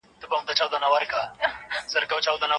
انټرنیټ د کورنیو چارو په تنظیم کې مرسته کوي.